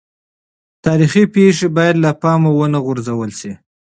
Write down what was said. تاریخي پېښې باید له پامه ونه غورځول سي.